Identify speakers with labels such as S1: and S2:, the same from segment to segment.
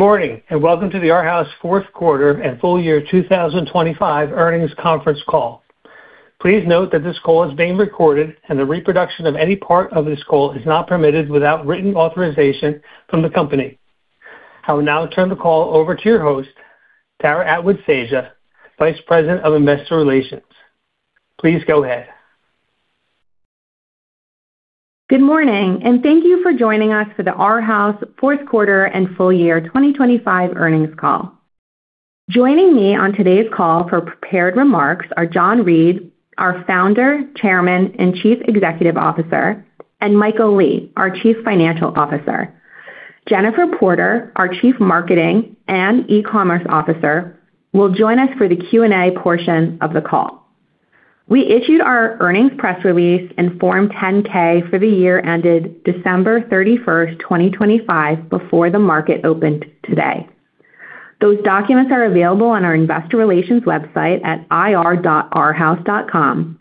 S1: Good morning. Welcome to the Arhaus fourth quarter and full year 2025 earnings conference call. Please note that this call is being recorded, and the reproduction of any part of this call is not permitted without written authorization from the company. I will now turn the call over to your host, Tara Atwood-Saja, Vice President of Investor Relations. Please go ahead.
S2: Good morning, and thank you for joining us for the Arhaus fourth quarter and full year 2025 earnings call. Joining me on today's call for prepared remarks are John Reed, our Founder, Chairman, and Chief Executive Officer, and Michael Lee, our Chief Financial Officer. Jennifer Porter, our Chief Marketing and eCommerce Officer, will join us for the Q&A portion of the call. We issued our earnings press release and Form 10-K for the year ended December 31st, 2025, before the market opened today. Those documents are available on our investor relations website at ir.arhaus.com.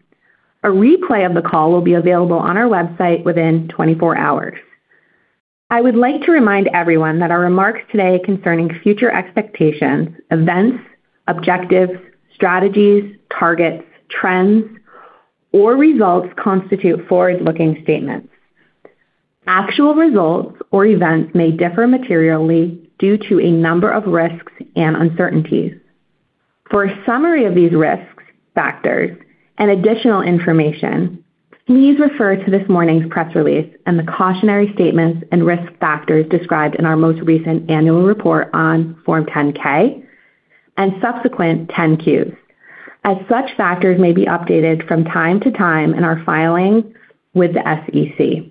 S2: A replay of the call will be available on our website within 24 hours. I would like to remind everyone that our remarks today concerning future expectations, events, objectives, strategies, targets, trends, or results constitute forward-looking statements. Actual results or events may differ materially due to a number of risks and uncertainties. For a summary of these risks, factors, and additional information, please refer to this morning's press release and the cautionary statements and risk factors described in our most recent annual report on Form 10-K and subsequent 10-Qs, as such factors may be updated from time to time in our filing with the SEC.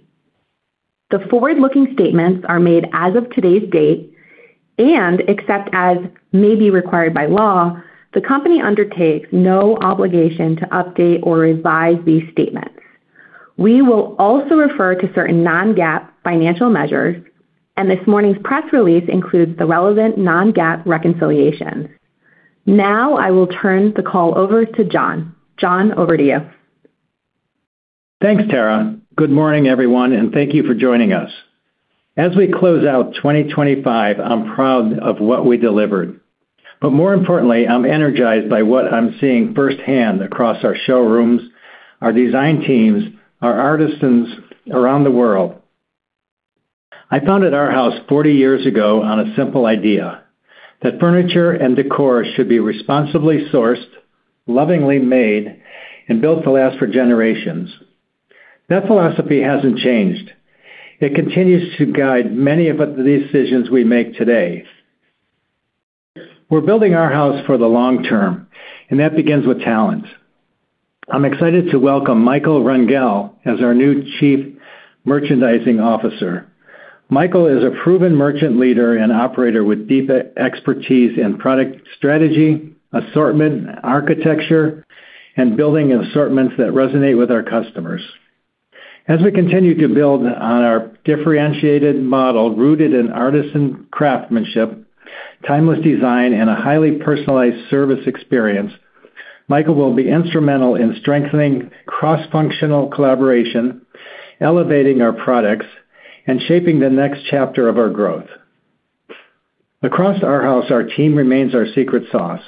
S2: Except as may be required by law, the company undertakes no obligation to update or revise these statements. We will also refer to certain non-GAAP financial measures. This morning's press release includes the relevant non-GAAP reconciliation. Now I will turn the call over to John. John, over to you.
S3: Thanks, Tara. Good morning, everyone, thank you for joining us. As we close out 2025, I'm proud of what we delivered. More importantly, I'm energized by what I'm seeing firsthand across our showrooms, our design teams, our artisans around the world. I founded Arhaus 40 years ago on a simple idea: that furniture and decor should be responsibly sourced, lovingly made, and built to last for generations. That philosophy hasn't changed. It continues to guide many of the decisions we make today. We're building Arhaus for the long term, that begins with talent. I'm excited to welcome Michael Rengel as our new Chief Merchandising Officer. Michael is a proven merchant leader and operator with deep expertise in product strategy, assortment, architecture, and building assortments that resonate with our customers. As we continue to build on our differentiated model, rooted in artisan craftsmanship, timeless design, and a highly personalized service experience, Michael will be instrumental in strengthening cross-functional collaboration, elevating our products, and shaping the next chapter of our growth. Across Arhaus, our team remains our secret sauce.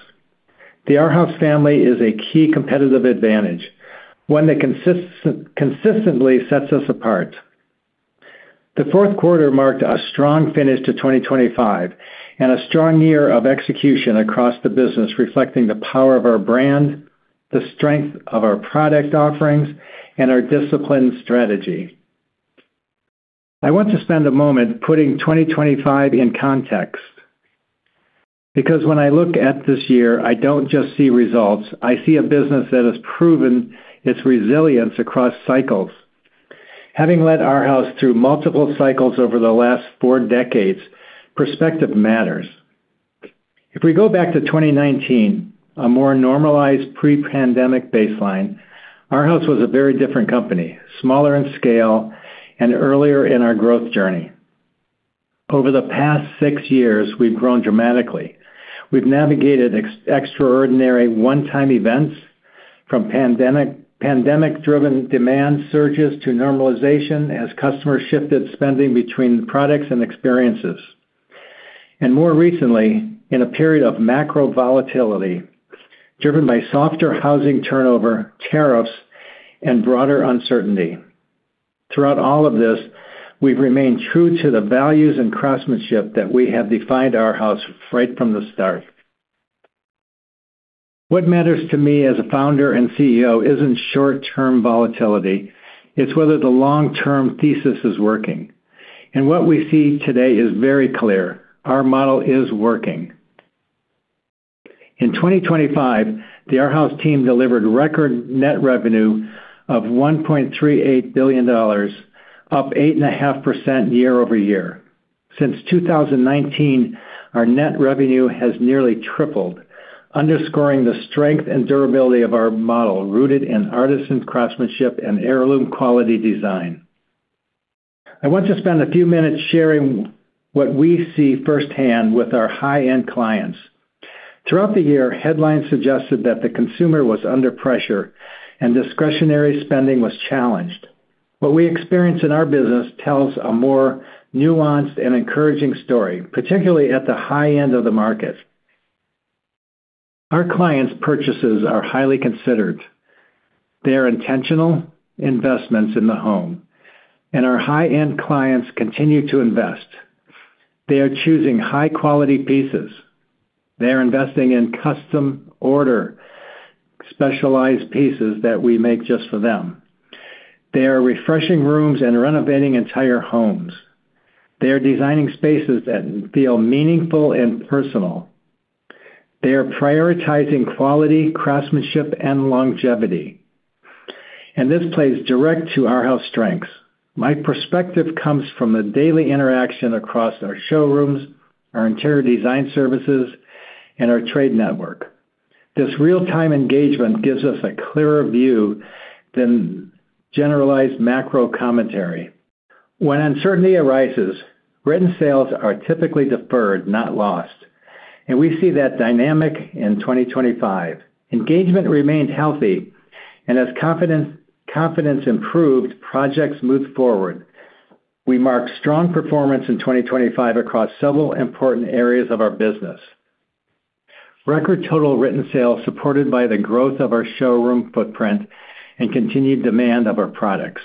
S3: The Arhaus family is a key competitive advantage, one that consistently sets us apart. The fourth quarter marked a strong finish to 2025 and a strong year of execution across the business, reflecting the power of our brand, the strength of our product offerings, and our disciplined strategy. I want to spend a moment putting 2025 in context. When I look at this year, I don't just see results. I see a business that has proven its resilience across cycles. Having led Arhaus through multiple cycles over the last four decades, perspective matters. If we go back to 2019, a more normalized pre-pandemic baseline, Arhaus was a very different company, smaller in scale and earlier in our growth journey. Over the past six years, we've grown dramatically. We've navigated extraordinary one-time events, from pandemic-driven demand surges to normalization as customers shifted spending between products and experiences, and more recently, in a period of macro volatility driven by softer housing turnover, tariffs, and broader uncertainty. Throughout all of this, we've remained true to the values and craftsmanship that we have defined Arhaus right from the start. What matters to me as a founder and CEO isn't short-term volatility, it's whether the long-term thesis is working. What we see today is very clear: Our model is working. In 2025, the Arhaus team delivered record net revenue of $1.38 billion, up 8.5% year-over-year. Since 2019, our net revenue has nearly tripled, underscoring the strength and durability of our model, rooted in artisan craftsmanship and heirloom quality design. I want to spend a few minutes sharing what we see firsthand with our high-end clients. Throughout the year, headlines suggested that the consumer was under pressure and discretionary spending was challenged. What we experience in our business tells a more nuanced and encouraging story, particularly at the high end of the market. Our clients' purchases are highly considered. They are intentional investments in the home, and our high-end clients continue to invest. They are choosing high-quality pieces. They are investing in custom order, specialized pieces that we make just for them. They are refreshing rooms and renovating entire homes. They are designing spaces that feel meaningful and personal. This plays direct to Arhaus strengths. My perspective comes from the daily interaction across our showrooms, our interior design services, and our trade network. This real-time engagement gives us a clearer view than generalized macro commentary. When uncertainty arises, written sales are typically deferred, not lost, and we see that dynamic in 2025. As confidence improved, projects moved forward. We marked strong performance in 2025 across several important areas of our business. Record total written sales, supported by the growth of our showroom footprint and continued demand of our products.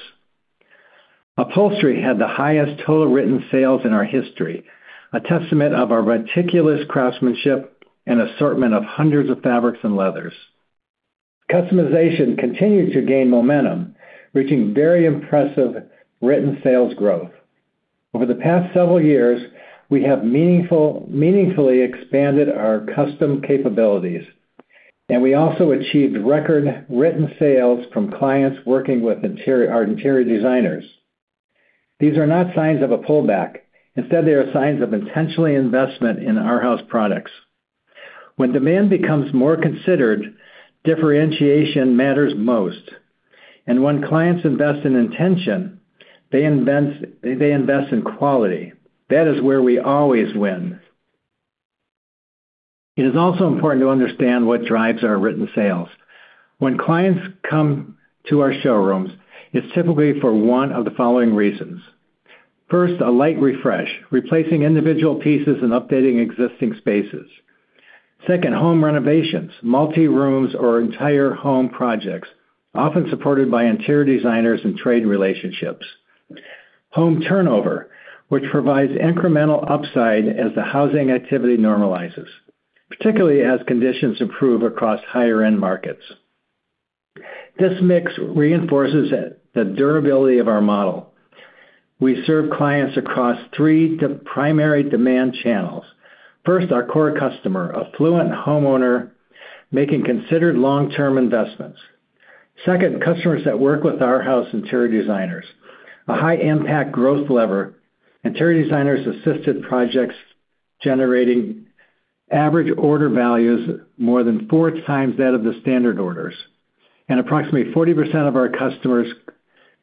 S3: Upholstery had the highest total written sales in our history, a testament of our meticulous craftsmanship and assortment of hundreds of fabrics and leathers. Customization continued to gain momentum, reaching very impressive written sales growth. Over the past several years, we have meaningfully expanded our custom capabilities, and we also achieved record written sales from clients working with our interior designers. These are not signs of a pullback. Instead, they are signs of intentional investment in Arhaus products. When demand becomes more considered, differentiation matters most, and when clients invest in intention, they invest in quality. That is where we always win. It is also important to understand what drives our written sales. When clients come to our showrooms, it is typically for one of the following reasons: First, a light refresh, replacing individual pieces and updating existing spaces. Second, home renovations, multi-rooms or entire home projects, often supported by interior designers and trade relationships. Home turnover, which provides incremental upside as the housing activity normalizes, particularly as conditions improve across higher-end markets. This mix reinforces the durability of our model. We serve clients across three primary demand channels. First, our core customer, affluent homeowner, making considered long-term investments. Second, customers that work with Arhaus interior designers. A high-impact growth lever, interior designers assisted projects generating average order values more than four times that of the standard orders, and approximately 40% of our customers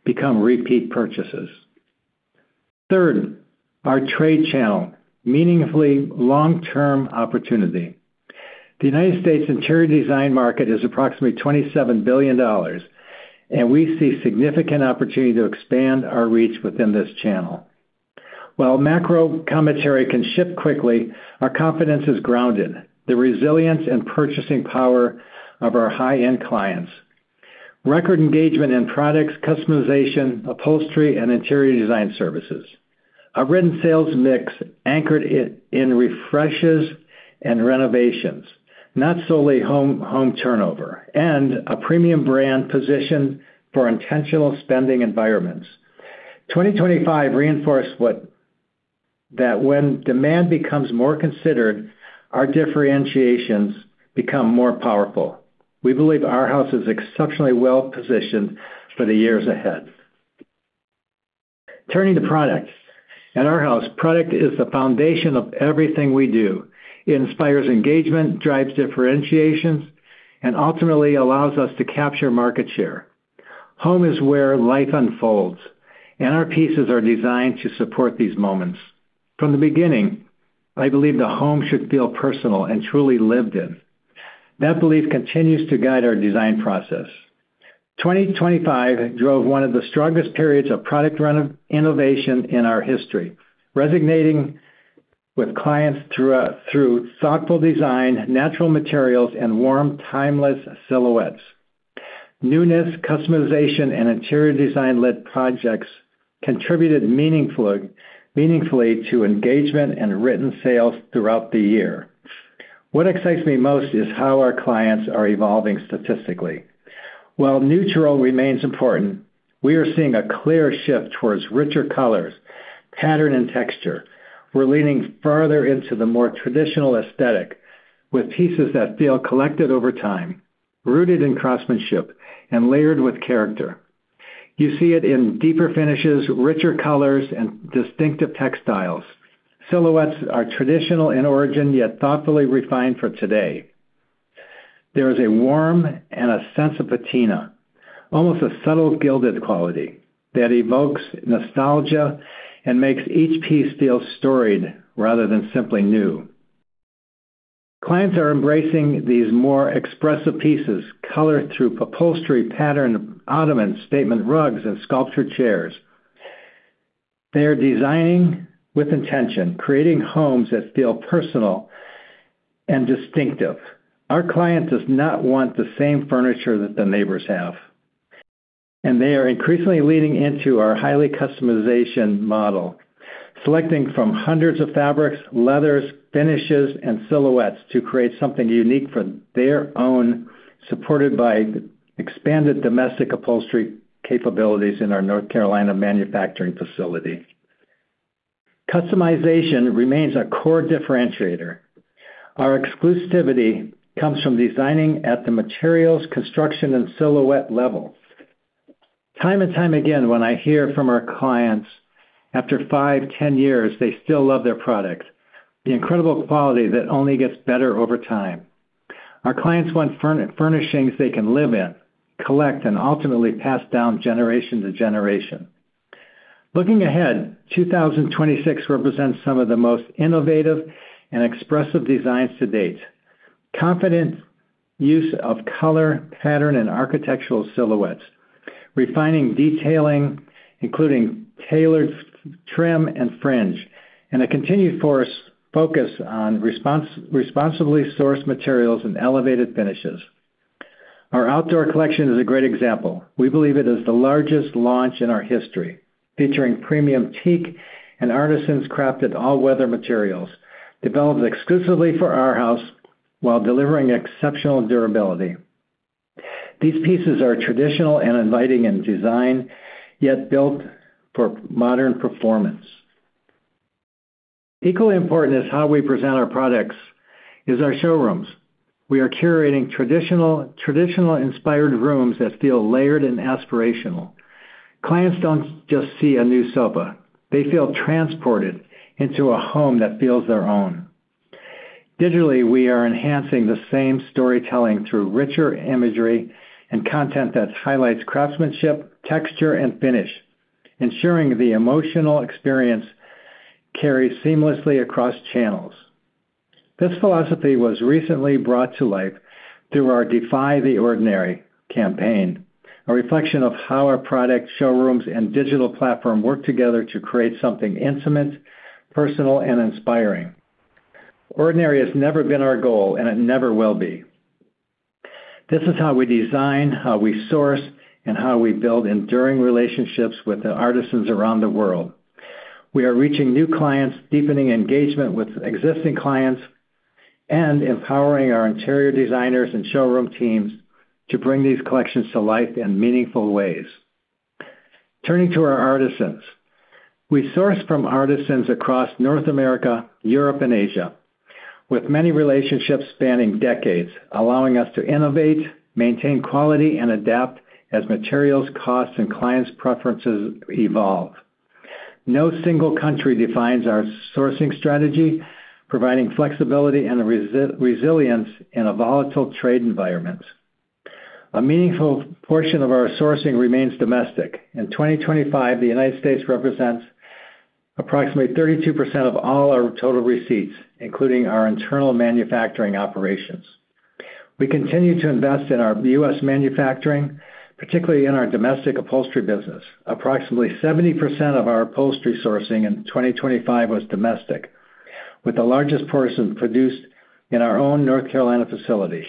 S3: become repeat purchases. Third, our trade channel, meaningfully long-term opportunity. The U.S. interior design market is approximately $27 billion, we see significant opportunity to expand our reach within this channel. While macro commentary can shift quickly, our confidence is grounded. The resilience and purchasing power of our high-end clients. Record engagement in products, customization, upholstery, and interior design services. Our written sales mix anchored in refreshes and renovations, not solely home turnover, and a premium brand positioned for intentional spending environments. 2025 reinforced that when demand becomes more considered, our differentiations become more powerful. We believe Arhaus is exceptionally well-positioned for the years ahead. Turning to products. At Arhaus, product is the foundation of everything we do. It inspires engagement, drives differentiations, and ultimately allows us to capture market share. Home is where life unfolds, and our pieces are designed to support these moments. From the beginning, I believe the home should feel personal and truly lived in. That belief continues to guide our design process. 2025 drove one of the strongest periods of innovation in our history, resonating with clients through thoughtful design, natural materials, and warm, timeless silhouettes. Newness, customization, and interior design-led projects contributed meaningfully to engagement and written sales throughout the year. What excites me most is how our clients are evolving statistically. While neutral remains important, we are seeing a clear shift towards richer colors, pattern, and texture. We're leaning farther into the more traditional aesthetic, with pieces that feel collected over time, rooted in craftsmanship, and layered with character. You see it in deeper finishes, richer colors, and distinctive textiles. Silhouettes are traditional in origin, yet thoughtfully refined for today. There is a warm and a sense of patina, almost a subtle gilded quality that evokes nostalgia and makes each piece feel storied rather than simply new. Clients are embracing these more expressive pieces, color through upholstery, pattern, ottoman, statement rugs, and sculpture chairs. They are designing with intention, creating homes that feel personal and distinctive. Our client does not want the same furniture that the neighbors have. They are increasingly leaning into our highly customization model, selecting from hundreds of fabrics, leathers, finishes, and silhouettes to create something unique for their own, supported by expanded domestic upholstery capabilities in our North Carolina manufacturing facility. Customization remains a core differentiator. Our exclusivity comes from designing at the materials, construction, and silhouette level. Time and time again, when I hear from our clients, after five, 10 years, they still love their products. The incredible quality that only gets better over time. Our clients want furnishings they can live in, collect, and ultimately pass down generation to generation. Looking ahead, 2026 represents some of the most innovative and expressive designs to date. Confident use of color, pattern, and architectural silhouettes, refining detailing, including tailored trim and fringe, and a continued focus on responsibly sourced materials and elevated finishes. Our outdoor collection is a great example. We believe it is the largest launch in our history, featuring premium teak and artisan-crafted all-weather materials, developed exclusively for Arhaus while delivering exceptional durability. These pieces are traditional and inviting in design, yet built for modern performance. Equally important is how we present our products is our showrooms. We are curating traditional inspired rooms that feel layered and aspirational. Clients don't just see a new sofa. They feel transported into a home that feels their own. Digitally, we are enhancing the same storytelling through richer imagery and content that highlights craftsmanship, texture, and finish, ensuring the emotional experience carries seamlessly across channels. This philosophy was recently brought to life through our Defy the Ordinary campaign, a reflection of how our product, showrooms, and digital platform work together to create something intimate, personal, and inspiring. Ordinary has never been our goal, and it never will be. This is how we design, how we source, and how we build enduring relationships with the artisans around the world. We are reaching new clients, deepening engagement with existing clients, and empowering our interior designers and showroom teams to bring these collections to life in meaningful ways. Turning to our artisans. We source from artisans across North America, Europe, and Asia, with many relationships spanning decades, allowing us to innovate, maintain quality, and adapt as materials, costs, and clients' preferences evolve. No single country defines our sourcing strategy, providing flexibility and resilience in a volatile trade environment. A meaningful portion of our sourcing remains domestic. In 2025, the United States represents approximately 32% of all our total receipts, including our internal manufacturing operations. We continue to invest in U.S. manufacturing, particularly in our domestic upholstery business. Approximately 70% of our upholstery sourcing in 2025 was domestic, with the largest portion produced in our own North Carolina facilities,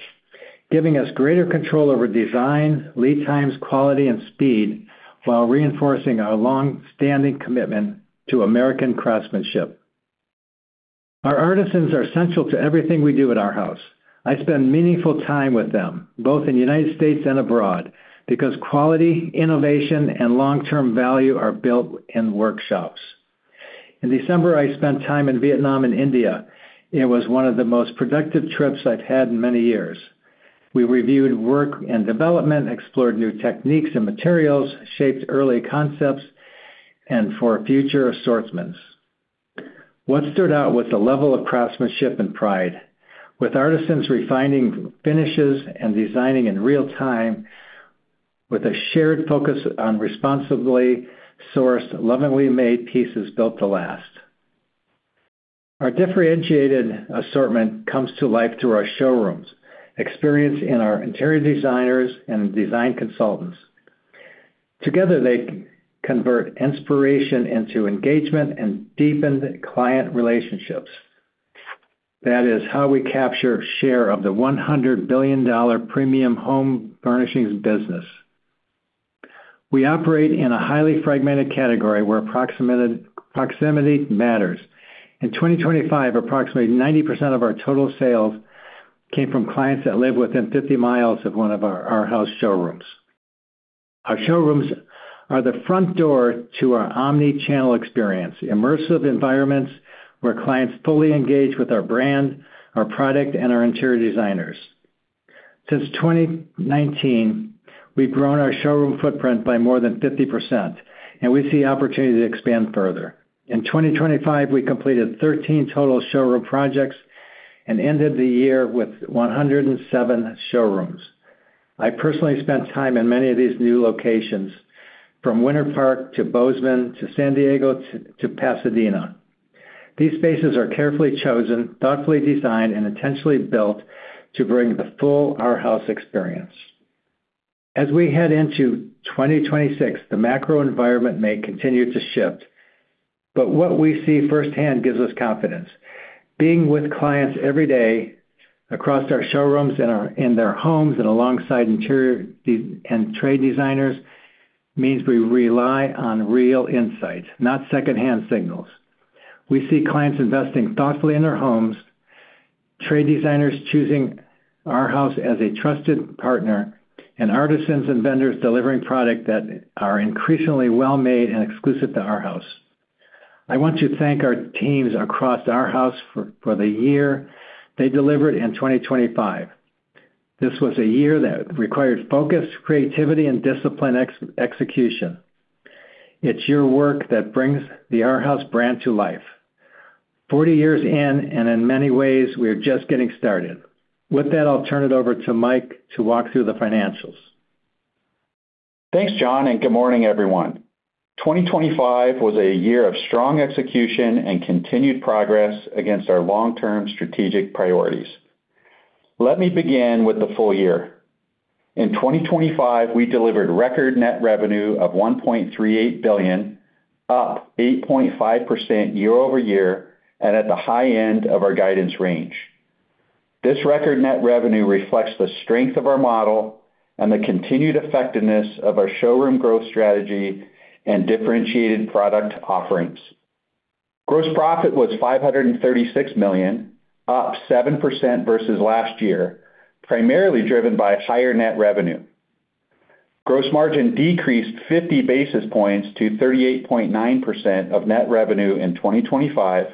S3: giving us greater control over design, lead times, quality, and speed while reinforcing our long-standing commitment to American craftsmanship. Our artisans are essential to everything we do at Arhaus. I spend meaningful time with them, both in the United States and abroad, because quality, innovation, and long-term value are built in workshops. In December, I spent time in Vietnam and India. It was one of the most productive trips I've had in many years. We reviewed work and development, explored new techniques and materials, shaped early concepts, and for future assortments. What stood out was the level of craftsmanship and pride, with artisans refining finishes and designing in real time, with a shared focus on responsibly sourced, lovingly made pieces built to last. Our differentiated assortment comes to life through our showrooms, experience in our interior designers and design consultants. Together, they convert inspiration into engagement and deepened client relationships. That is how we capture share of the $100 billion premium home furnishings business. We operate in a highly fragmented category where proximity matters. In 2025, approximately 90% of our total sales came from clients that live within 50 mi of one of our Arhaus showrooms. Our showrooms are the front door to our omni-channel experience, immersive environments where clients fully engage with our brand, our product, and our interior designers. Since 2019... We've grown our showroom footprint by more than 50%, and we see opportunity to expand further. In 2025, we completed 13 total showroom projects and ended the year with 107 showrooms. I personally spent time in many of these new locations, from Winter Park to Bozeman to San Diego to Pasadena. These spaces are carefully chosen, thoughtfully designed, and intentionally built to bring the full Arhaus experience. As we head into 2026, the macro environment may continue to shift, but what we see firsthand gives us confidence. Being with clients every day across our showrooms and in their homes and alongside interior and trade designers, means we rely on real insights, not secondhand signals. We see clients investing thoughtfully in their homes, trade designers choosing Arhaus as a trusted partner, and artisans and vendors delivering product that are increasingly well-made and exclusive to Arhaus. I want to thank our teams across Arhaus for the year they delivered in 2025. This was a year that required focus, creativity, and disciplined execution. It's your work that brings the Arhaus brand to life. 40 years in, and in many ways, we are just getting started. With that, I'll turn it over to Mike to walk through the financials.
S4: Thanks, John. Good morning, everyone. 2025 was a year of strong execution and continued progress against our long-term strategic priorities. Let me begin with the full year. In 2025, we delivered record net revenue of $1.38 billion, up 8.5% year-over-year and at the high end of our guidance range. This record net revenue reflects the strength of our model and the continued effectiveness of our showroom growth strategy and differentiated product offerings. Gross profit was $536 million, up 7% versus last year, primarily driven by higher net revenue. Gross margin decreased 50 basis points to 38.9% of net revenue in 2025,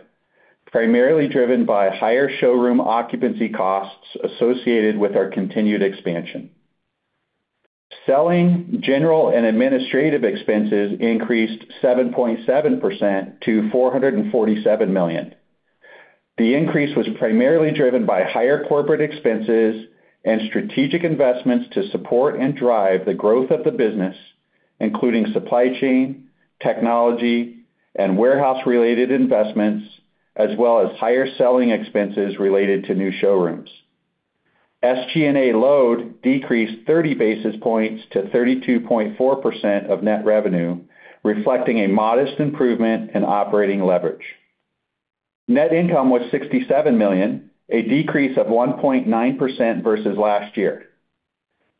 S4: primarily driven by higher showroom occupancy costs associated with our continued expansion. Selling, general, and administrative expenses increased 7.7% to $447 million. The increase was primarily driven by higher corporate expenses and strategic investments to support and drive the growth of the business, including supply chain, technology, and warehouse-related investments, as well as higher selling expenses related to new showrooms. SG&A load decreased 30 basis points to 32.4% of net revenue, reflecting a modest improvement in operating leverage. Net income was $67 million, a decrease of 1.9% versus last year.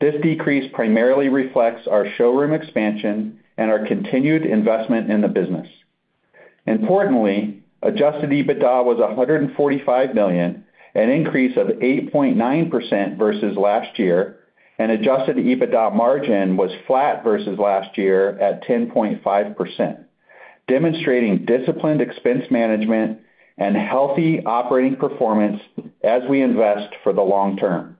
S4: This decrease primarily reflects our showroom expansion and our continued investment in the business. Importantly, adjusted EBITDA was $145 million, an increase of 8.9% versus last year, and adjusted EBITDA margin was flat versus last year at 10.5%, demonstrating disciplined expense management and healthy operating performance as we invest for the long term.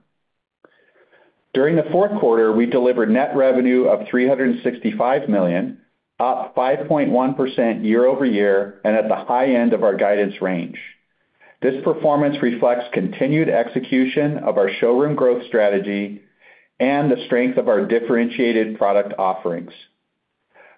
S4: During the fourth quarter, we delivered net revenue of $365 million, up 5.1% year-over-year, at the high end of our guidance range. This performance reflects continued execution of our showroom growth strategy and the strength of our differentiated product offerings.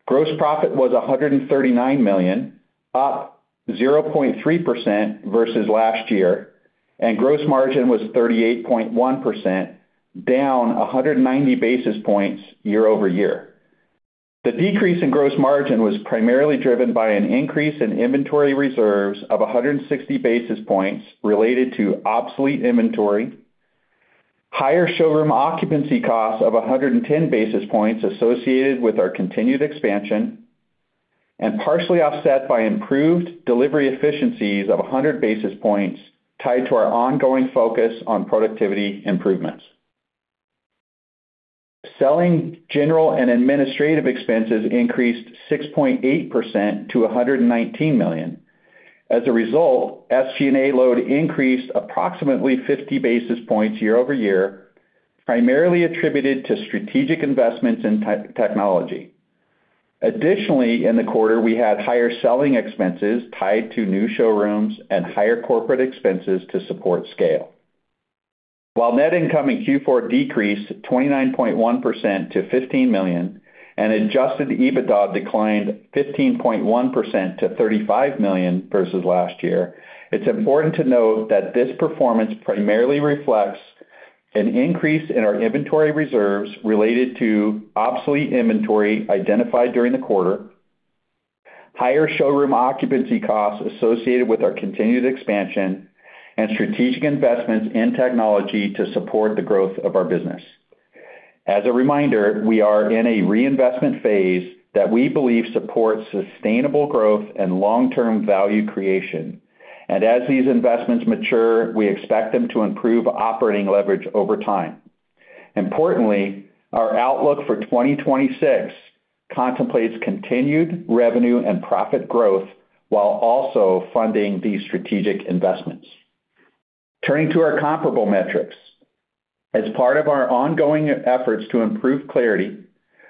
S4: Gross profit was $139 million, up 0.3% versus last year, and gross margin was 38.1%, down 190 basis points year-over-year. The decrease in gross margin was primarily driven by an increase in inventory reserves of 160 basis points related to obsolete inventory, higher showroom occupancy costs of 110 basis points associated with our continued expansion, and partially offset by improved delivery efficiencies of 100 basis points tied to our ongoing focus on productivity improvements. Selling, general, and administrative expenses increased 6.8% to $119 million. As a result, SG&A load increased approximately 50 basis points year-over-year, primarily attributed to strategic investments in technology. Additionally, in the quarter, we had higher selling expenses tied to new showrooms and higher corporate expenses to support scale. While net income in Q4 decreased 29.1% to $15 million and adjusted EBITDA declined 15.1% to $35 million versus last year, it's important to note that this performance primarily reflects an increase in our inventory reserves related to obsolete inventory identified during the quarter, higher showroom occupancy costs associated with our continued expansion, and strategic investments in technology to support the growth of our business. As a reminder, we are in a reinvestment phase that we believe supports sustainable growth and long-term value creation. As these investments mature, we expect them to improve operating leverage over time. Importantly, our outlook for 2026 contemplates continued revenue and profit growth while also funding these strategic investments. Turning to our comparable metrics. As part of our ongoing efforts to improve clarity,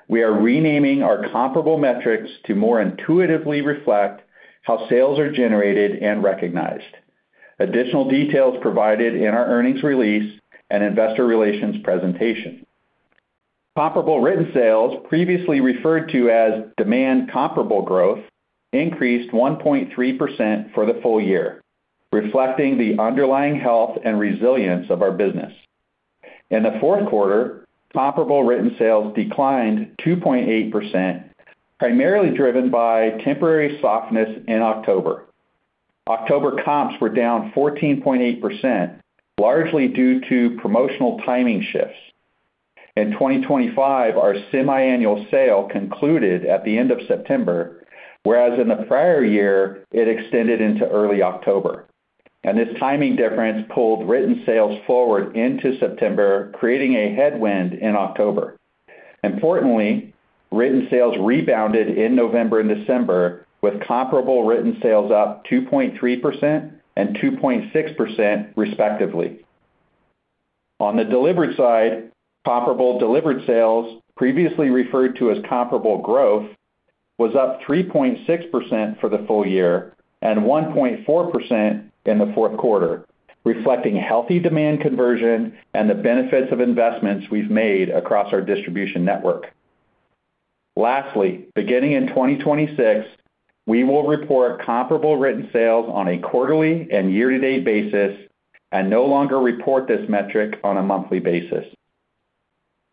S4: we are renaming our comparable metrics to more intuitively reflect how sales are generated and recognized. Additional details provided in our earnings release and investor relations presentation. Comparable Written Sales, previously referred to as Demand Comparable Growth, increased 1.3% for the full year, reflecting the underlying health and resilience of our business. In the fourth quarter, Comparable Written Sales declined 2.8%, primarily driven by temporary softness in October. October comps were down 14.8%, largely due to promotional timing shifts. In 2025, our semiannual sale concluded at the end of September, whereas in the prior year, it extended into early October. This timing difference pulled written sales forward into September, creating a headwind in October. Importantly, written sales rebounded in November and December, with Comparable Written Sales up 2.3% and 2.6%, respectively. On the delivered side, Comparable Delivered Sales, previously referred to as Comparable Growth, was up 3.6% for the full year and 1.4% in the fourth quarter, reflecting healthy demand conversion and the benefits of investments we've made across our distribution network. Lastly, beginning in 2026, we will report Comparable Written Sales on a quarterly and year-to-date basis and no longer report this metric on a monthly basis.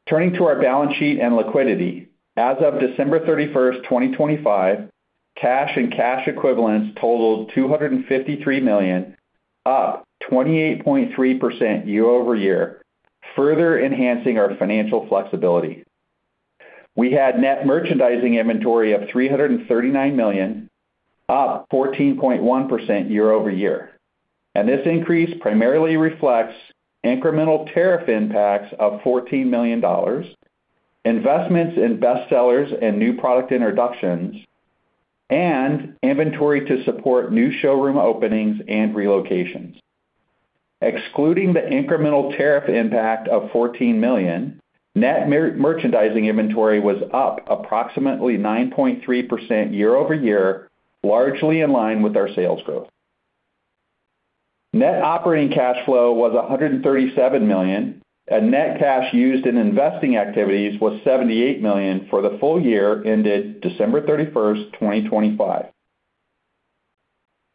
S4: Turning to our balance sheet and liquidity. As of December 31st, 2025, cash and cash equivalents totaled $253 million, up 28.3% year-over-year, further enhancing our financial flexibility. We had net merchandising inventory of $339 million, up 14.1% year-over-year. This increase primarily reflects incremental tariff impacts of $14 million, investments in bestsellers and new product introductions, and inventory to support new showroom openings and relocations. Excluding the incremental tariff impact of $14 million, net merchandising inventory was up approximately 9.3% year-over-year, largely in line with our sales growth. Net operating cash flow was $137 million, and net cash used in investing activities was $78 million for the full year ended December 31st, 2025.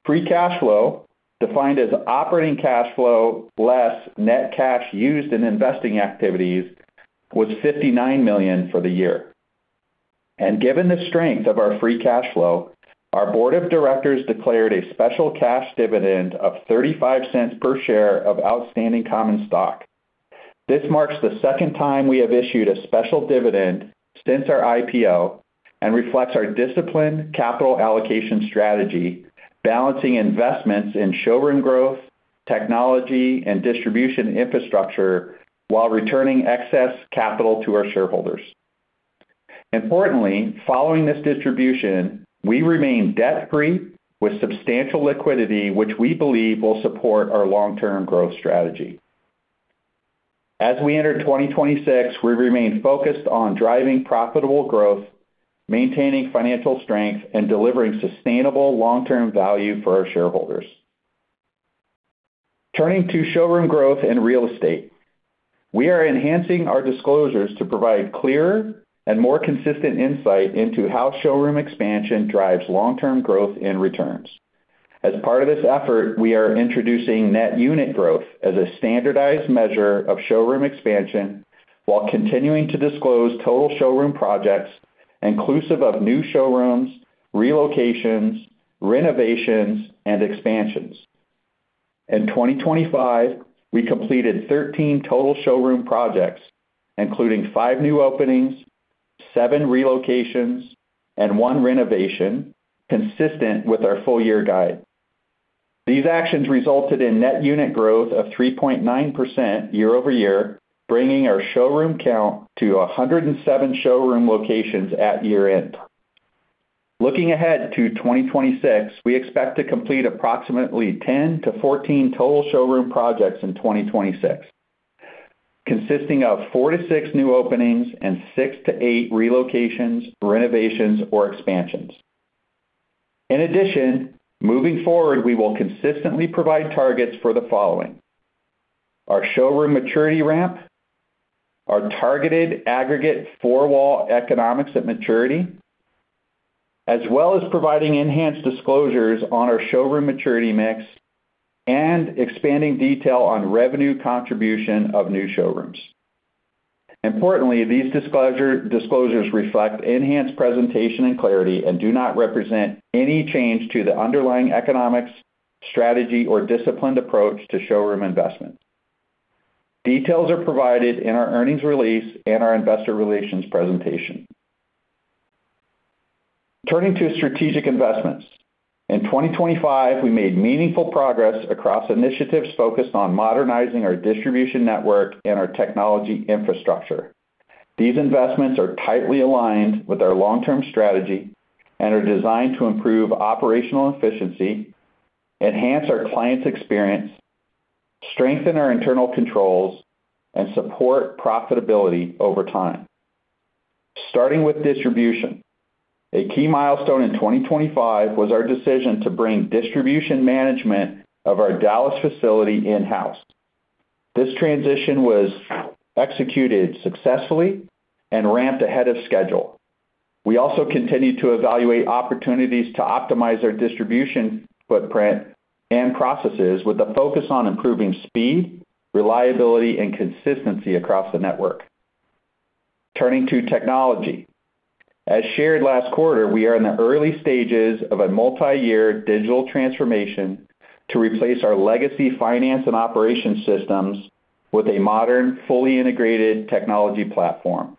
S4: Free cash flow, defined as operating cash flow less net cash used in investing activities, was $59 million for the year. Given the strength of our free cash flow, our board of directors declared a special cash dividend of $0.35 per share of outstanding common stock. This marks the second time we have issued a special dividend since our IPO and reflects our disciplined capital allocation strategy, balancing investments in showroom growth, technology, and distribution infrastructure while returning excess capital to our shareholders. Importantly, following this distribution, we remain debt-free with substantial liquidity, which we believe will support our long-term growth strategy. As we enter 2026, we remain focused on driving profitable growth, maintaining financial strength, and delivering sustainable long-term value for our shareholders. Turning to showroom growth and real estate. We are enhancing our disclosures to provide clearer and more consistent insight into how showroom expansion drives long-term growth and returns. As part of this effort, we are introducing net unit growth as a standardized measure of showroom expansion, while continuing to disclose total showroom projects inclusive of new showrooms, relocations, renovations, and expansions. In 2025, we completed 13 total showroom projects, including five new openings, seven relocations, and one renovation, consistent with our full-year guide. These actions resulted in net unit growth of 3.9% year-over-year, bringing our showroom count to 107 showroom locations at year-end. Looking ahead to 2026, we expect to complete approximately 10-14 total showroom projects in 2026, consisting of four to six new openings and six to eight relocations, renovations, or expansions. Moving forward, we will consistently provide targets for the following: our showroom maturity ramp, our targeted aggregate four-wall economics at maturity, as well as providing enhanced disclosures on our showroom maturity mix and expanding detail on revenue contribution of new showrooms. These disclosures reflect enhanced presentation and clarity and do not represent any change to the underlying economics, strategy, or disciplined approach to showroom investment. Details are provided in our earnings release and our investor relations presentation. Turning to strategic investments. In 2025, we made meaningful progress across initiatives focused on modernizing our distribution network and our technology infrastructure. These investments are tightly aligned with our long-term strategy and are designed to improve operational efficiency, enhance our client's experience, strengthen our internal controls, and support profitability over time. Starting with distribution, a key milestone in 2025 was our decision to bring distribution management of our Dallas facility in-house. This transition was executed successfully and ramped ahead of schedule. We also continued to evaluate opportunities to optimize our distribution footprint and processes with a focus on improving speed, reliability, and consistency across the network. Turning to technology. As shared last quarter, we are in the early stages of a multiyear digital transformation to replace our legacy finance and operation systems with a modern, fully integrated technology platform.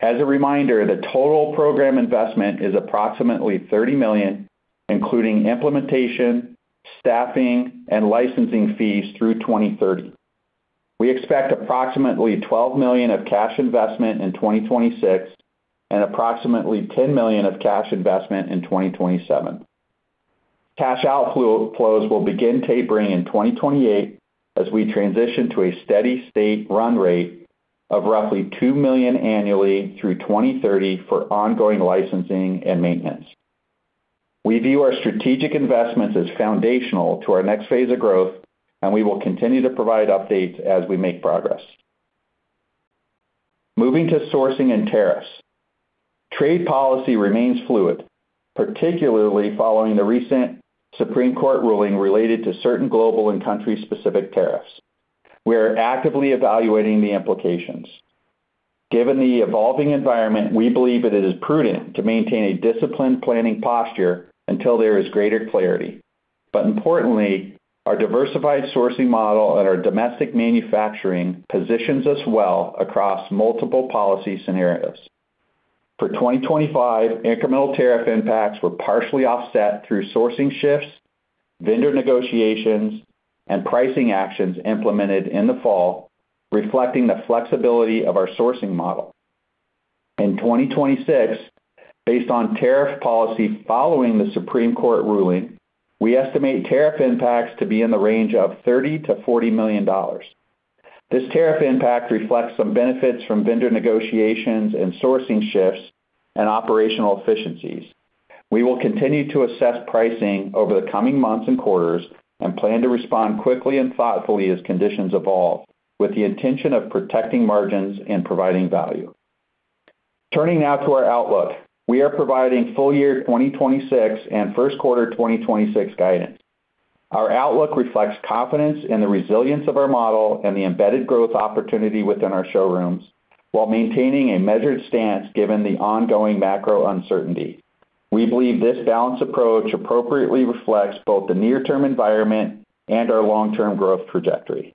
S4: As a reminder, the total program investment is approximately $30 million, including implementation, staffing, and licensing fees through 2030. We expect approximately $12 million of cash investment in 2026 and approximately $10 million of cash investment in 2027. Cash outflows will begin tapering in 2028 as we transition to a steady state run rate of roughly $2 million annually through 2030 for ongoing licensing and maintenance. We view our strategic investments as foundational to our next phase of growth, and we will continue to provide updates as we make progress. Moving to sourcing and tariffs. Trade policy remains fluid, particularly following the recent Supreme Court ruling related to certain global and country-specific tariffs. We are actively evaluating the implications. Given the evolving environment, we believe that it is prudent to maintain a disciplined planning posture until there is greater clarity. Importantly, our diversified sourcing model and our domestic manufacturing positions us well across multiple policy scenarios. For 2025, incremental tariff impacts were partially offset through sourcing shifts, vendor negotiations, and pricing actions implemented in the fall, reflecting the flexibility of our sourcing model. In 2026, based on tariff policy following the Supreme Court ruling, we estimate tariff impacts to be in the range of $30 million-$40 million. This tariff impact reflects some benefits from vendor negotiations and sourcing shifts and operational efficiencies. We will continue to assess pricing over the coming months and quarters and plan to respond quickly and thoughtfully as conditions evolve, with the intention of protecting margins and providing value. Turning now to our outlook. We are providing full year 2026 and first quarter 2026 guidance. Our outlook reflects confidence in the resilience of our model and the embedded growth opportunity within our showrooms, while maintaining a measured stance given the ongoing macro uncertainty. We believe this balanced approach appropriately reflects both the near-term environment and our long-term growth trajectory.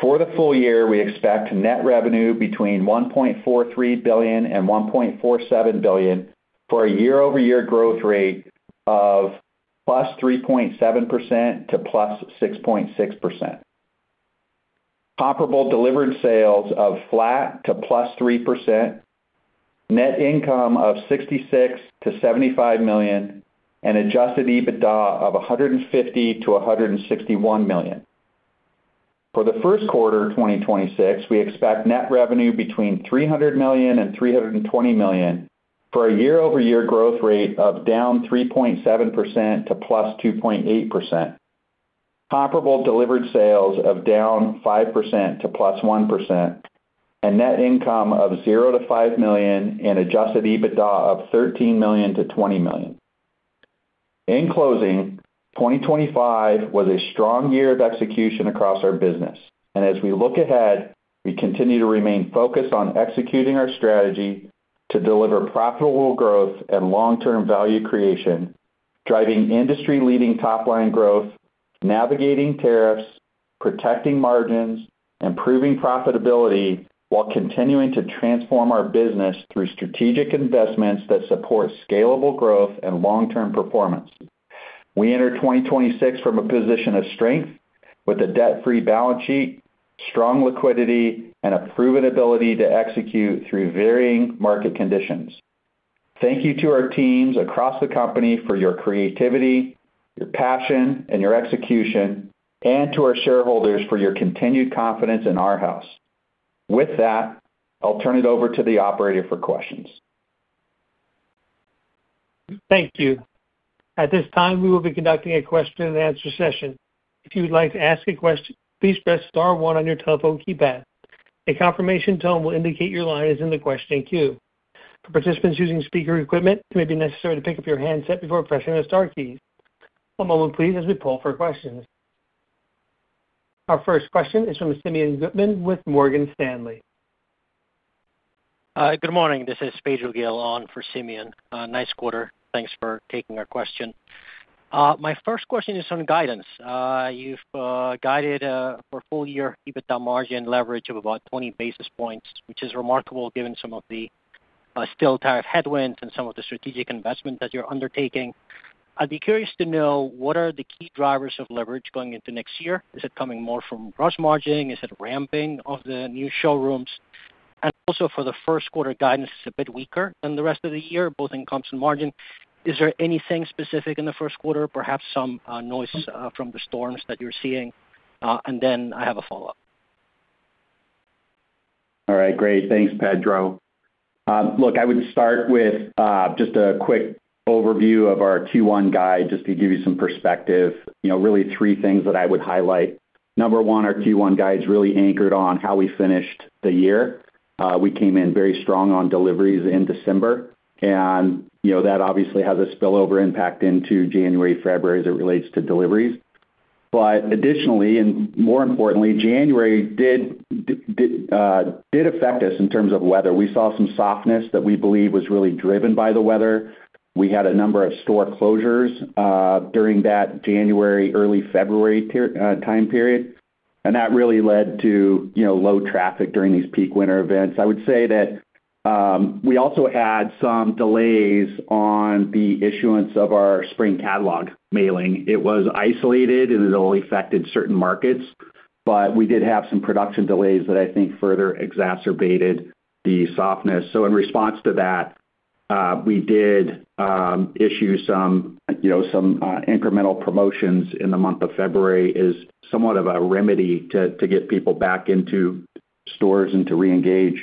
S4: For the full year, we expect net revenue between $1.43 billion and $1.47 billion, for a year-over-year growth rate of +3.7% to +6.6%. Comparable Delivered Sales of flat to +3%, net income of $66 million-$75 million, and adjusted EBITDA of $150 million-$161 million. For the first quarter 2026, we expect net revenue between $300 million and $320 million, for a year-over-year growth rate of -3.7% to +2.8%. Comparable Delivered Sales of -5% to +1%, and net income of $0-$5 million and adjusted EBITDA of $13 million-$20 million. In closing, 2025 was a strong year of execution across our business. As we look ahead, we continue to remain focused on executing our strategy to deliver profitable growth and long-term value creation, driving industry-leading top-line growth, navigating tariffs, protecting margins, improving profitability, while continuing to transform our business through strategic investments that support scalable growth and long-term performance. We enter 2026 from a position of strength with a debt-free balance sheet, strong liquidity, and a proven ability to execute through varying market conditions. Thank you to our teams across the company for your creativity, your passion, and your execution, and to our shareholders for your continued confidence in Arhaus. With that, I'll turn it over to the operator for questions.
S1: Thank you. At this time, we will be conducting a question-and-answer session. If you would like to ask a question, please press star one on your telephone keypad. A confirmation tone will indicate your line is in the question queue. For participants using speaker equipment, it may be necessary to pick up your handset before pressing the star key. One moment, please, as we poll for questions. Our first question is from Simeon Gutman with Morgan Stanley.
S5: Good morning. This is Pedro Gil on for Simeon. Nice quarter. Thanks for taking our question. My first question is on guidance. You've guided for full year EBITDA margin leverage of about 20 basis points, which is remarkable given still tariff headwinds and some of the strategic investment that you're undertaking. I'd be curious to know, what are the key drivers of leverage going into next year? Is it coming more from gross margin? Is it ramping of the new showrooms? For the first quarter, guidance is a bit weaker than the rest of the year, both in comps and margin. Is there anything specific in the first quarter, perhaps some noise from the storms that you're seeing? I have a follow-up.
S4: All right, great. Thanks, Pedro. Look, I would start with just a quick overview of our Q1 guide, just to give you some perspective. You know, really three things that I would highlight. Number one, our Q1 guide is really anchored on how we finished the year. We came in very strong on deliveries in December, and, you know, that obviously has a spillover impact into January, February, as it relates to deliveries. Additionally, and more importantly, January did affect us in terms of weather. We saw some softness that we believe was really driven by the weather. We had a number of store closures during that January, early February time period, and that really led to, you know, low traffic during these peak winter events. I would say that, we also had some delays on the issuance of our spring catalog mailing. It was isolated, and it only affected certain markets, but we did have some production delays that I think further exacerbated the softness. In response to that, we did issue some, you know, some incremental promotions in the month of February as somewhat of a remedy to get people back into stores and to reengage.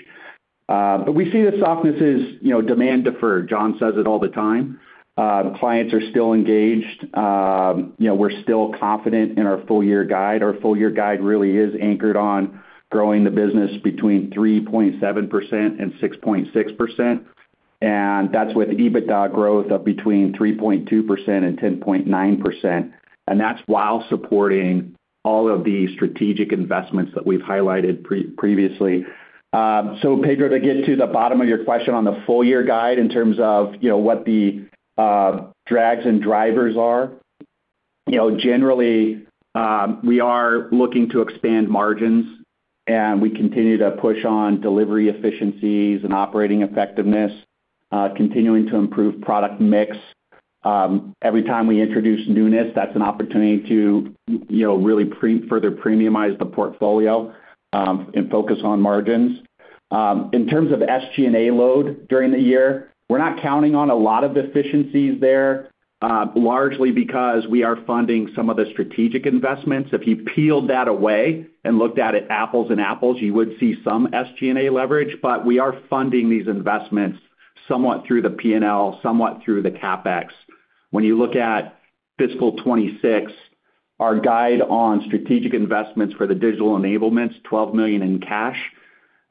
S4: We see the softness as, you know, demand deferred. John says it all the time. Clients are still engaged. You know, we're still confident in our full year guide. Our full year guide really is anchored on growing the business between 3.7% and 6.6%, that's with EBITDA growth of between 3.2% and 10.9%, that's while supporting all of the strategic investments that we've highlighted previously. Pedro, to get to the bottom of your question on the full year guide in terms of, you know, what the drags and drivers are, you know, generally, we are looking to expand margins. We continue to push on delivery efficiencies and operating effectiveness, continuing to improve product mix. Every time we introduce newness, that's an opportunity to, you know, really further premiumize the portfolio, and focus on margins. In terms of SG&A load during the year, we're not counting on a lot of efficiencies there, largely because we are funding some of the strategic investments. If you peeled that away and looked at it apples and apples, you would see some SG&A leverage, we are funding these investments somewhat through the P&L, somewhat through the CapEx. When you look at fiscal 2026, our guide on strategic investments for the digital enablements, $12 million in cash,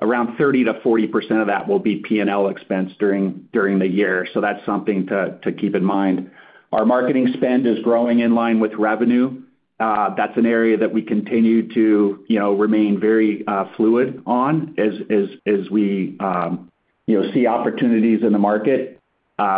S4: around 30%-40% of that will be P&L expense during the year. That's something to keep in mind. Our marketing spend is growing in line with revenue. That's an area that we continue to, you know, remain very fluid on. As we, you know, see opportunities in the market,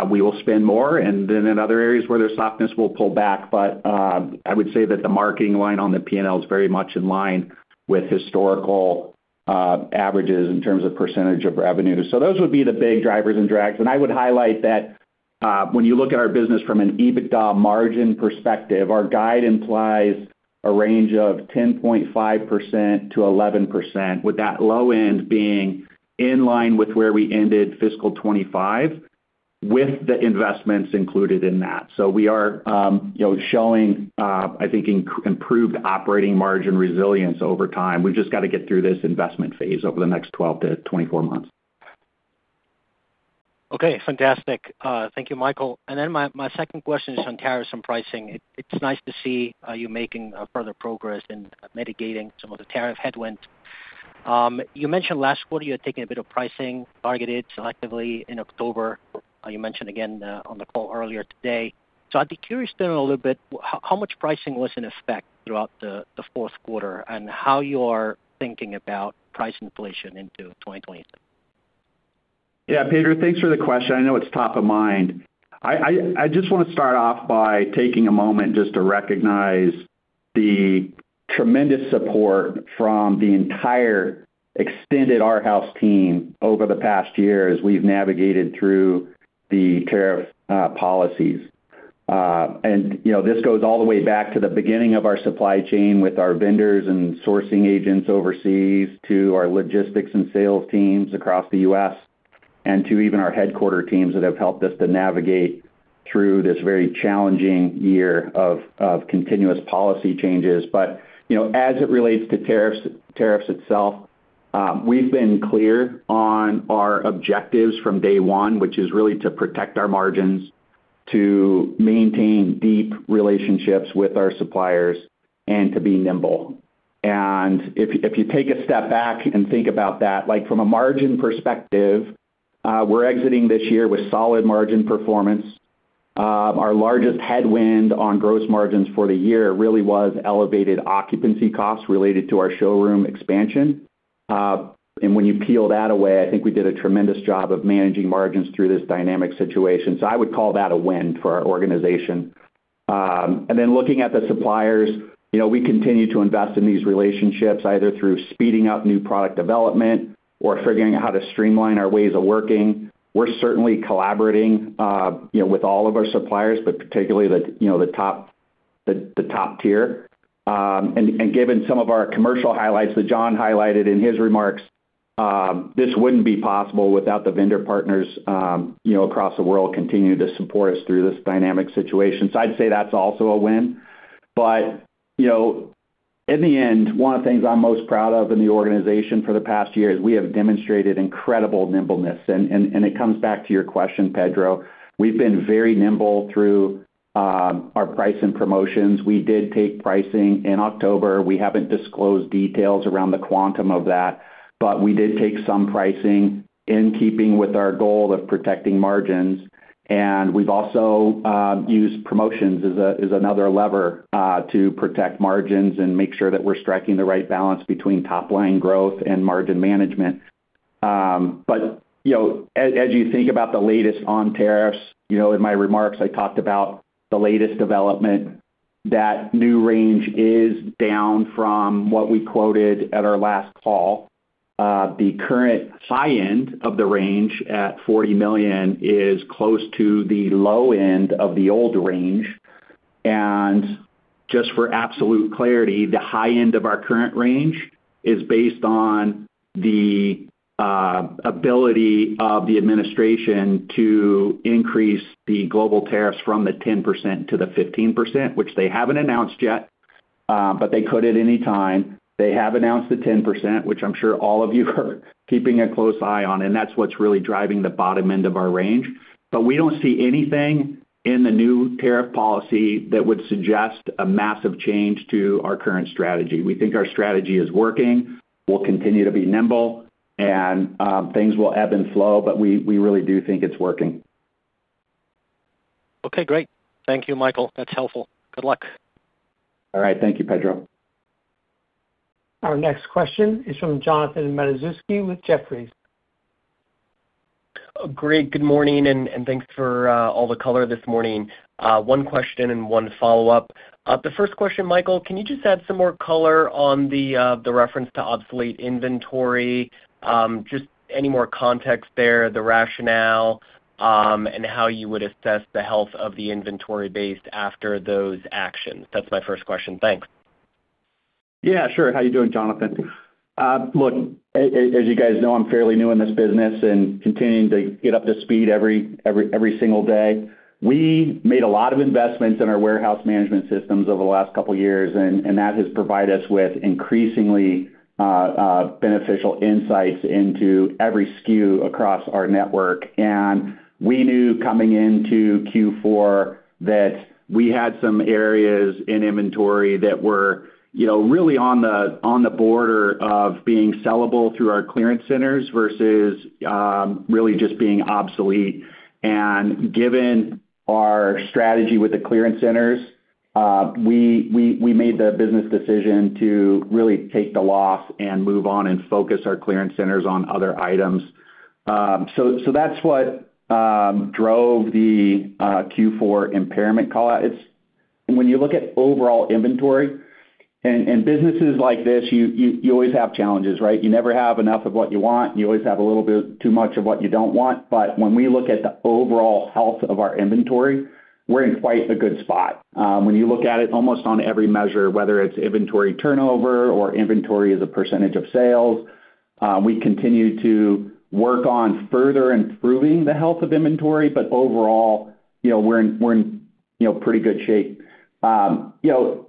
S4: we will spend more, and then in other areas where there's softness, we'll pull back. I would say that the marketing line on the P&L is very much in line with historical averages in terms of percentage of revenue. Those would be the big drivers and drags. I would highlight that when you look at our business from an EBITDA margin perspective, our guide implies a range of 10.5%-11%, with that low end being in line with where we ended fiscal 2025, with the investments included in that. We are, you know, showing, I think, improved operating margin resilience over time. We've just got to get through this investment phase over the next 12-24 months.
S5: Okay, fantastic. Thank you, Michael. My second question is on tariffs and pricing. It's nice to see you making further progress in mitigating some of the tariff headwind. You mentioned last quarter you had taken a bit of pricing, targeted selectively in October. You mentioned again on the call earlier today. I'd be curious to know a little bit how much pricing was in effect throughout the fourth quarter, and how you are thinking about price inflation into 2026.
S4: Pedro, thanks for the question. I know it's top of mind. I just wanna start off by taking a moment just to recognize the tremendous support from the entire extended Arhaus team over the past year, as we've navigated through the tariff policies. You know, this goes all the way back to the beginning of our supply chain with our vendors and sourcing agents overseas, to our logistics and sales teams across the U.S., and to even our headquarter teams that have helped us to navigate through this very challenging year of continuous policy changes. You know, as it relates to tariffs itself, we've been clear on our objectives from day one, which is really to protect our margins, to maintain deep relationships with our suppliers, and to be nimble. If you take a step back and think about that, like, from a margin perspective, we're exiting this year with solid margin performance. Our largest headwind on gross margins for the year really was elevated occupancy costs related to our showroom expansion. When you peel that away, I think we did a tremendous job of managing margins through this dynamic situation. I would call that a win for our organization. Then looking at the suppliers, you know, we continue to invest in these relationships, either through speeding up new product development or figuring out how to streamline our ways of working. We're certainly collaborating, you know, with all of our suppliers, but particularly the, you know, the top, the top tier. Given some of our commercial highlights that John highlighted in his remarks, this wouldn't be possible without the vendor partners, you know, across the world continuing to support us through this dynamic situation. I'd say that's also a win. You know, in the end, one of the things I'm most proud of in the organization for the past year, is we have demonstrated incredible nimbleness, and it comes back to your question, Pedro. We've been very nimble through our price and promotions. We did take pricing in October. We haven't disclosed details around the quantum of that, but we did take some pricing in keeping with our goal of protecting margins. We've also used promotions as another lever to protect margins and make sure that we're striking the right balance between top line growth and margin management. You know, as you think about the latest on tariffs, you know, in my remarks, I talked about the latest development. That new range is down from what we quoted at our last call. The current high end of the range at $40 million is close to the low end of the old range. Just for absolute clarity, the high end of our current range is based on the ability of the administration to increase the global tariffs from the 10% to the 15%, which they haven't announced yet, but they could at any time. They have announced the 10%, which I'm sure all of you are keeping a close eye on, and that's what's really driving the bottom end of our range. We don't see anything in the new tariff policy that would suggest a massive change to our current strategy. We think our strategy is working. We'll continue to be nimble, and things will ebb and flow, but we really do think it's working.
S5: Okay, great. Thank you, Michael. That's helpful. Good luck.
S4: All right. Thank you, Pedro.
S1: Our next question is from Jonathan Matuszewski with Jefferies.
S6: Great, good morning, and thanks for all the color this morning. One question and one follow-up. The first question, Michael, can you just add some more color on the reference to obsolete inventory? Just any more context there, the rationale, and how you would assess the health of the inventory base after those actions? That's my first question. Thanks.
S4: Yeah, sure. How you doing, Jonathan? look, as you guys know, I'm fairly new in this business and continuing to get up to speed every single day. We made a lot of investments in our warehouse management systems over the last couple of years, and that has provided us with increasingly beneficial insights into every SKU across our network. We knew coming into Q4, that we had some areas in inventory that were, you know, really on the border of being sellable through our clearance centers versus really just being obsolete. Given our strategy with the clearance centers, we made the business decision to really take the loss and move on and focus our clearance centers on other items. That's what drove the Q4 impairment call-out. When you look at overall inventory, and businesses like this, you always have challenges, right? You never have enough of what you want. You always have a little bit too much of what you don't want. When we look at the overall health of our inventory, we're in quite a good spot. When you look at it almost on every measure, whether it's inventory turnover or inventory as a percentage of sales, we continue to work on further improving the health of inventory, but overall, you know, we're in, you know, pretty good shape. You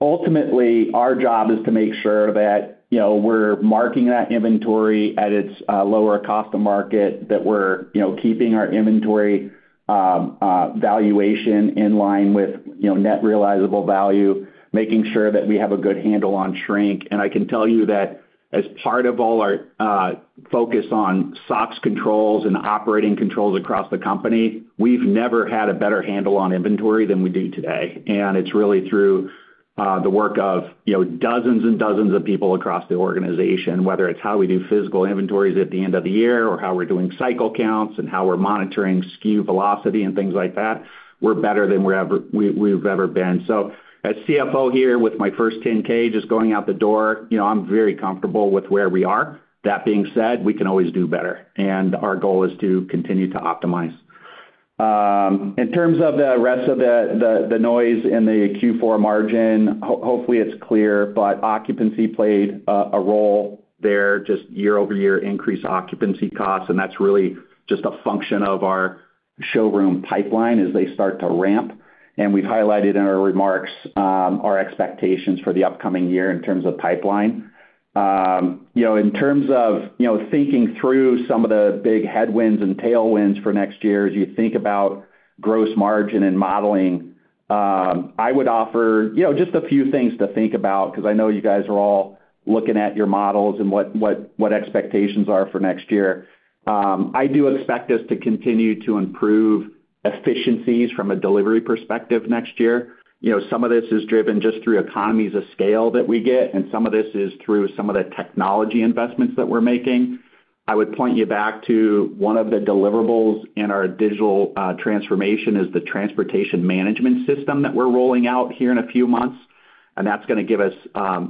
S4: know, ultimately, our job is to make sure that, you know, we're marking that inventory at its lower of cost or market, that we're, you know, keeping our inventory valuation in line with, you know, net realizable value, making sure that we have a good handle on shrink. I can tell you that as part of all our focus on SOX controls and operating controls across the company, we've never had a better handle on inventory than we do today. It's really through the work of, you know, dozens and dozens of people across the organization, whether it's how we do physical inventories at the end of the year, or how we're doing cycle counts, and how we're monitoring SKU velocity and things like that, we're better than we've ever been. As CFO here, with my first 10-K, just going out the door, you know, I'm very comfortable with where we are. That being said, we can always do better, and our goal is to continue to optimize. In terms of the rest of the noise in the Q4 margin, hopefully, it's clear, but occupancy played a role there, just year-over-year increased occupancy costs, and that's really just a function of our showroom pipeline as they start to ramp. We've highlighted in our remarks, our expectations for the upcoming year in terms of pipeline. You know, in terms of, you know, thinking through some of the big headwinds and tailwinds for next year, as you think about gross margin and modeling, I would offer, you know, just a few things to think about because I know you guys are all looking at your models and what expectations are for next year. I do expect us to continue to improve efficiencies from a delivery perspective next year. You know, some of this is driven just through economies of scale that we get, and some of this is through some of the technology investments that we're making. I would point you back to one of the deliverables in our digital transformation is the transportation management system that we're rolling out here in a few months, and that's gonna give us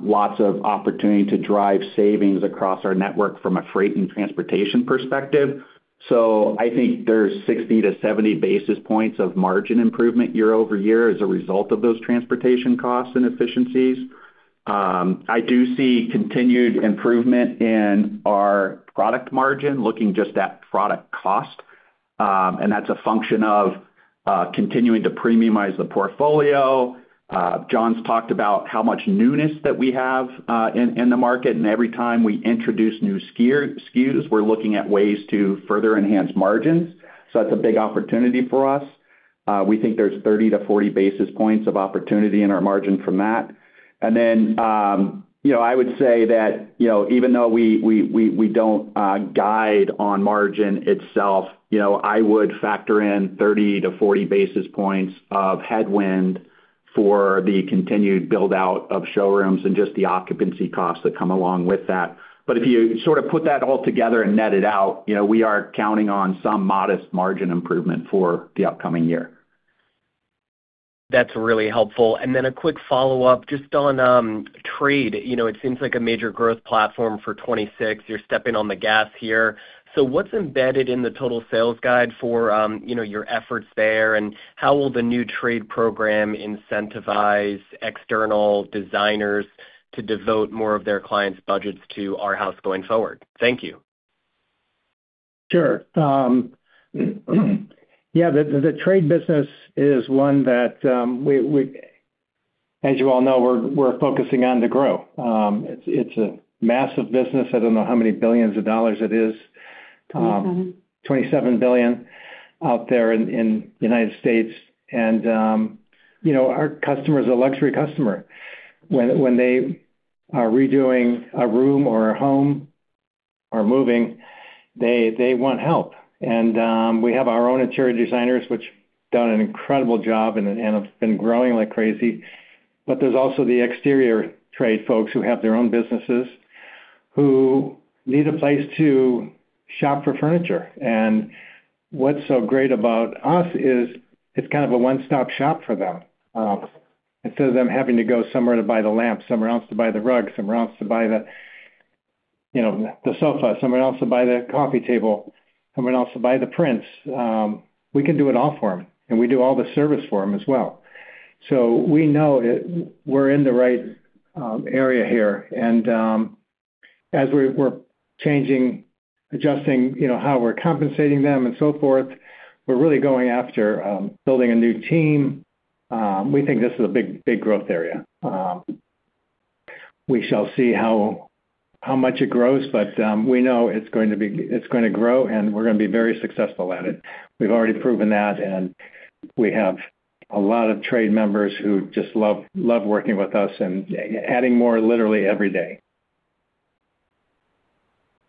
S4: lots of opportunity to drive savings across our network from a freight and transportation perspective. I think there's 60 to 70 basis points of margin improvement year-over-year as a result of those transportation costs and efficiencies. I do see continued improvement in our product margin, looking just at product cost, and that's a function of continuing to premiumize the portfolio. John's talked about how much newness that we have in the market, and every time we introduce new SKUs, we're looking at ways to further enhance margins. That's a big opportunity for us. We think there's 30 to 40 basis points of opportunity in our margin from that. You know, I would say that, you know, even though we don't guide on margin itself, you know, I would factor in 30 to 40 basis points of headwind for the continued build-out of showrooms and just the occupancy costs that come along with that. If you sort of put that all together and net it out, you know, we are counting on some modest margin improvement for the upcoming year.
S6: That's really helpful. Then a quick follow-up, just on trade. You know, it seems like a major growth platform for 2026. You're stepping on the gas here. What's embedded in the total sales guide for, you know, your efforts there? How will the new trade program incentivize external designers to devote more of their clients' budgets to Arhaus going forward? Thank you.
S3: Sure. Yeah, the trade business is one that we as you all know, we're focusing on to grow. It's a massive business. I don't know how many billions of dollars it is.
S2: $27 billion.
S3: $27 billion out there in the United States. You know, our customer is a luxury customer. When they are redoing a room or a home or moving, they want help. We have our own interior designers, which done an incredible job and have been growing like crazy. There's also the exterior trade folks who have their own businesses, who need a place to shop for furniture. What's so great about us is, it's kind of a one-stop shop for them. Instead of them having to go somewhere to buy the lamp, somewhere else to buy the rug, somewhere else to buy the, you know, the sofa, somewhere else to buy the coffee table, someone else to buy the prints, we can do it all for them, and we do all the service for them as well. We know we're in the right area here. As we're changing, adjusting, you know, how we're compensating them and so forth, we're really going after building a new team. We think this is a big growth area. We shall see how much it grows, but we know it's gonna grow, and we're gonna be very successful at it. We've already proven that, and we have a lot of trade members who just love working with us and adding more literally every day.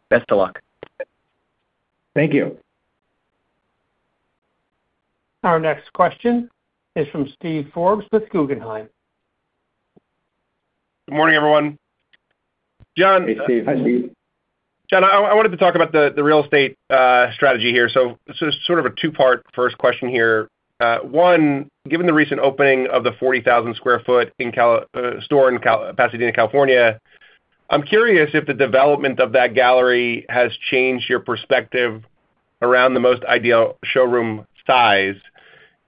S6: Best of luck.
S3: Thank you.
S1: Our next question is from Steven Forbes with Guggenheim.
S7: Good morning, everyone. John.
S3: Hey, Steve. Hi, Steve.
S7: John, I wanted to talk about the real estate strategy here. Sort of a two-part first question here. One, given the recent opening of the 40,000 sq ft store in Pasadena, California, I'm curious if the development of that gallery has changed your perspective around the most ideal showroom size.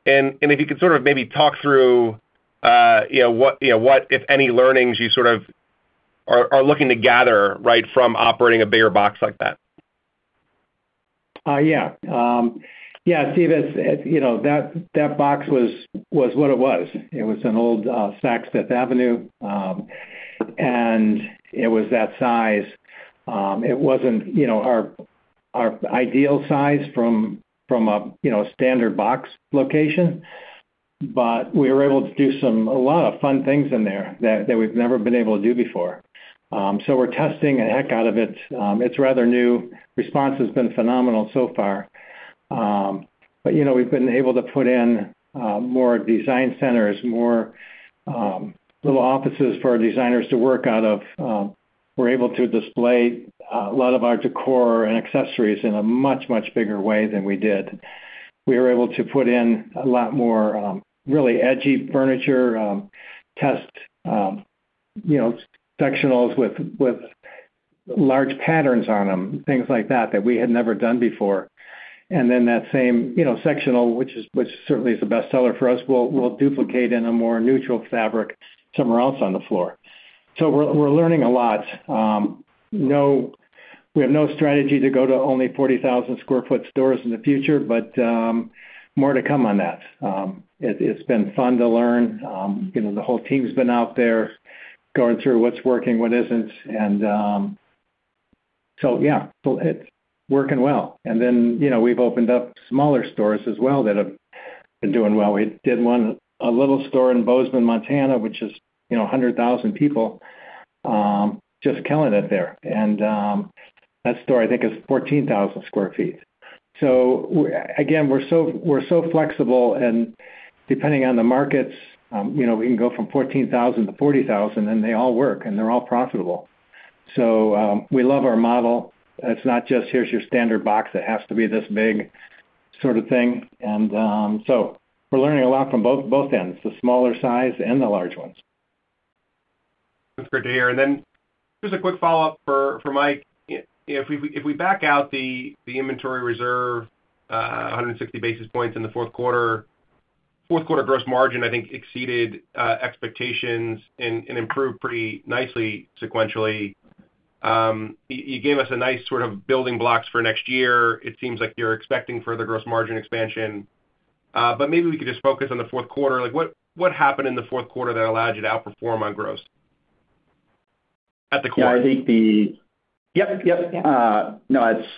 S7: If you could sort of maybe talk through, you know, what, you know, what, if any, learnings you sort of are looking to gather, right, from operating a bigger box like that?
S3: Yeah, Steve, as, you know, that box was what it was. It was an old Saks Fifth Avenue, and it was that size. It wasn't, you know, our ideal size from a, you know, standard box location, but we were able to do a lot of fun things in there that we've never been able to do before. We're testing the heck out of it. It's rather new. Response has been phenomenal so far. You know, we've been able to put in more design centers, more little offices for our designers to work out of. We're able to display a lot of our decor and accessories in a much bigger way than we did. We were able to put in a lot more, really edgy furniture, test, you know, sectionals with large patterns on them, things like that we had never done before. That same, you know, sectional, which certainly is the best seller for us, we'll duplicate in a more neutral fabric somewhere else on the floor. We're learning a lot. No, we have no strategy to go to only 40,000 sq ft stores in the future, but, more to come on that. It's been fun to learn. You know, the whole team's been out there, going through what's working, what isn't, and, so yeah, it's working well. You know, we've opened up smaller stores as well that have been doing well. We did one, a little store in Bozeman, Montana, which is, you know, 100,000 people, just killing it there. That store, I think, is 14,000 sq ft. again, we're so flexible, and depending on the markets, you know, we can go from 14,000 sq ft to 40,000 sq ft, and they all work, and they're all profitable. We love our model. It's not just, here's your standard box that has to be this big sort of thing. we're learning a lot from both ends, the smaller size and the large ones.
S7: Just a quick follow-up for Mike. If we back out the inventory reserve, 160 basis points in the fourth quarter gross margin, I think, exceeded expectations and improved pretty nicely sequentially. You gave us a nice sort of building blocks for next year. It seems like you're expecting further gross margin expansion, but maybe we could just focus on the fourth quarter. Like, what happened in the fourth quarter that allowed you to outperform on gross at the quarter?
S4: Yeah, I think yep. No, that's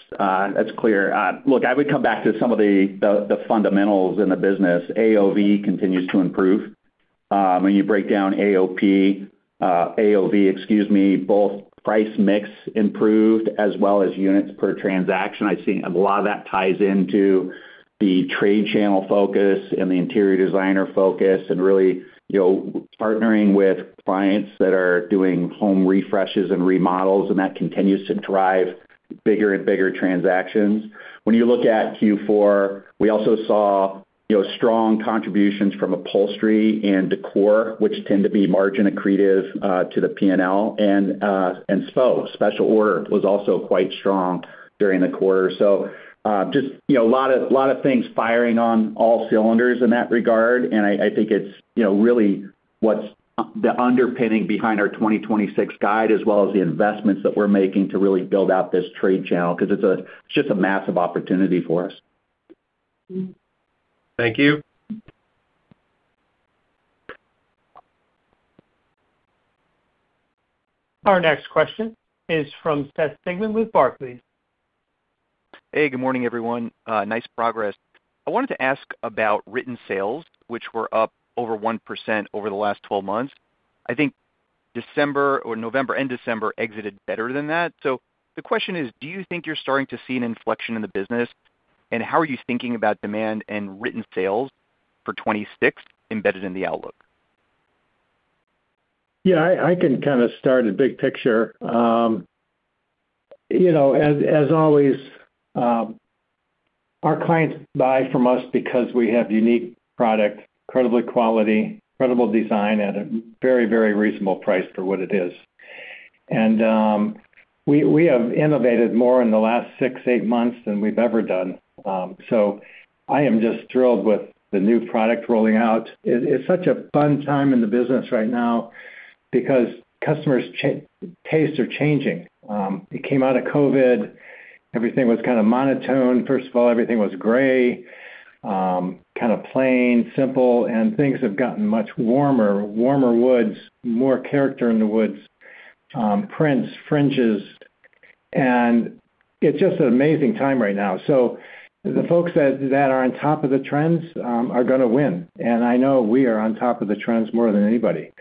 S4: that's clear. Look, I would come back to some of the fundamentals in the business. AOV continues to improve. When you break down AOV, excuse me, both price mix improved as well as units per transaction. I've seen a lot of that ties into the trade channel focus and the interior designer focus, and really, you know, partnering with clients that are doing home refreshes and remodels, and that continues to drive bigger and bigger transactions. When you look at Q4, we also saw, you know, strong contributions from upholstery and decor, which tend to be margin accretive to the P&L, and SPO, special order, was also quite strong during the quarter. Just, you know, a lot of, lot of things firing on all cylinders in that regard, and I think it's, you know, really what's the underpinning behind our 2026 guide, as well as the investments that we're making to really build out this trade channel, because it's just a massive opportunity for us.
S7: Thank you.
S1: Our next question is from Seth Sigman with Barclays.
S8: Hey, good morning, everyone. Nice progress. I wanted to ask about written sales, which were up over 1% over the last 12 months. I think December or November and December exited better than that. The question is: Do you think you're starting to see an inflection in the business? How are you thinking about demand and written sales for 2026 embedded in the outlook?
S3: Yeah, I can kind of start a big picture. You know, as always, our clients buy from us because we have unique product, incredibly quality, incredible design at a very, very reasonable price for what it is. We have innovated more in the last six, eight months than we've ever done. I am just thrilled with the new product rolling out. It's such a fun time in the business right now because customers' tastes are changing. It came out of COVID. Everything was kind of monotone. First of all, everything was gray, kind of plain, simple, and things have gotten much warmer. Warmer woods, more character in the woods, prints, fringes, and it's just an amazing time right now. The folks that are on top of the trends are going to win, and I know we are on top of the trends more than anybody.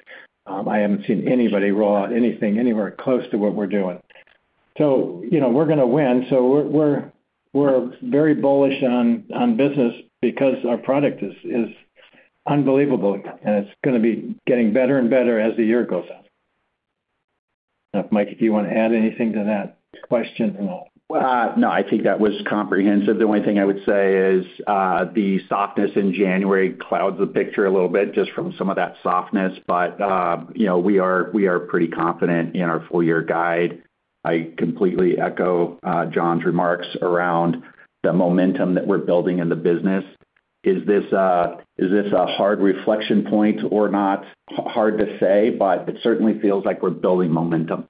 S3: I haven't seen anybody roll out anything anywhere close to what we're doing. You know, we're going to win. We're very bullish on business because our product is unbelievable, and it's going to be getting better and better as the year goes on. Now, Mike, if you want to add anything to that question at all.
S4: No, I think that was comprehensive. The only thing I would say is the softness in January clouds the picture a little bit, just from some of that softness. You know, we are pretty confident in our full year guide. I completely echo John's remarks around the momentum that we're building in the business. Is this a hard reflection point or not? Hard to say, but it certainly feels like we're building momentum.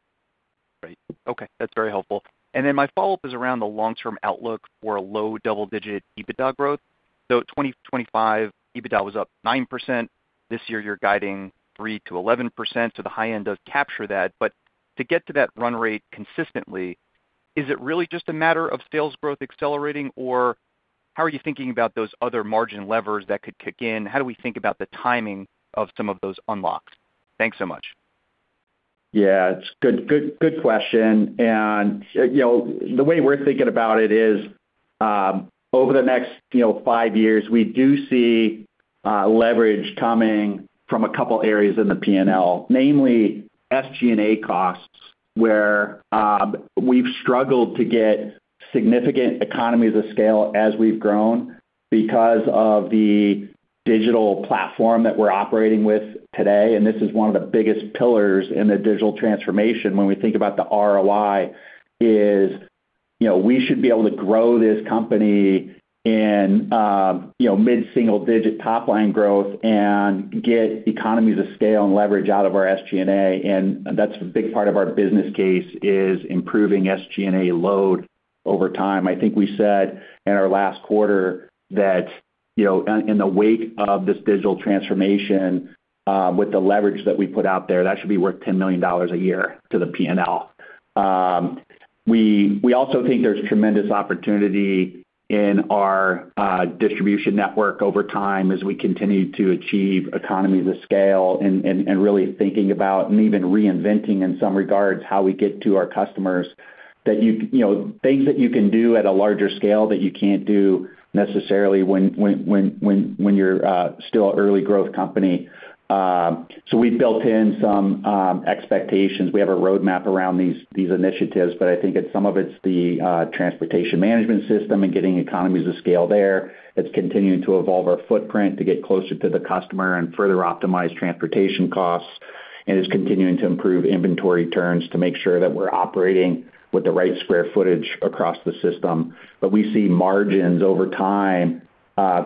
S8: Great. Okay, that's very helpful. My follow-up is around the long-term outlook for a low double-digit EBITDA growth. 2025, EBITDA was up 9%. This year, you're guiding 3%-11%, so the high end does capture that. To get to that run rate consistently, is it really just a matter of sales growth accelerating, or how are you thinking about those other margin levers that could kick in? How do we think about the timing of some of those unlocks? Thanks so much.
S4: Yeah, it's good question. You know, the way we're thinking about it is, over the next, you know, five years, we do see leverage coming from a couple areas in the P&L, namely SG&A costs, where we've struggled to get significant economies of scale as we've grown because of the digital platform that we're operating with today. This is one of the biggest pillars in the digital transformation when we think about the ROI is, you know, we should be able to grow this company in, you know, mid-single-digit top-line growth and get economies of scale and leverage out of our SG&A. That's a big part of our business case, is improving SG&A load over time. I think we said in our last quarter that, you know, in the wake of this digital transformation, with the leverage that we put out there, that should be worth $10 million a year to the P&L. We also think there's tremendous opportunity in our distribution network over time as we continue to achieve economies of scale and really thinking about and even reinventing, in some regards, how we get to our customers. That you know, things that you can do at a larger scale that you can't do necessarily when you're still an early growth company. We've built in some expectations. We have a roadmap around these initiatives, I think it's some of it's the transportation management system and getting economies of scale there. It's continuing to evolve our footprint to get closer to the customer and further optimize transportation costs, and is continuing to improve inventory turns to make sure that we're operating with the right square footage across the system. We see margins over time,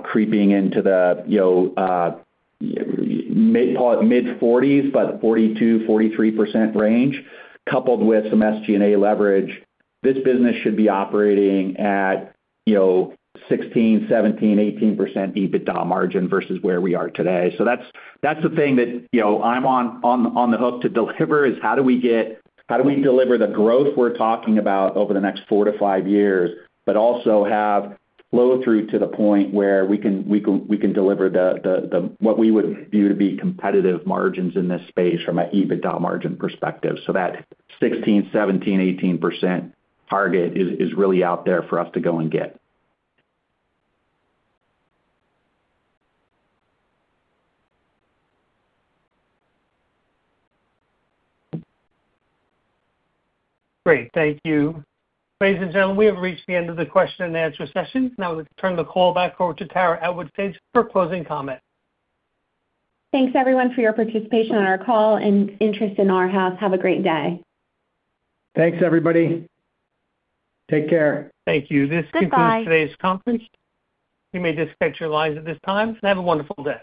S4: creeping into the, you know, mid, call it mid-40s, but 42%-43% range, coupled with some SG&A leverage. This business should be operating at, you know, 16%-18% EBITDA margin versus where we are today. That's the thing that, you know, I'm on the hook to deliver, is how do we deliver the growth we're talking about over the next four to five years, but also have flow through to the point where we can deliver the what we would view to be competitive margins in this space from an EBITDA margin perspective. That 16%, 17%, 18% target really out there for us to go and get.
S1: Great, thank you. Ladies and gentlemen, we have reached the end of the question and answer session. Let's turn the call back over to Tara Atwood-Saja for closing comments.
S2: Thanks, everyone, for your participation on our call and interest in Arhaus. Have a great day.
S4: Thanks, everybody. Take care.
S1: Thank you.
S2: Goodbye.
S1: This concludes today's conference. You may disconnect your lines at this time, and have a wonderful day.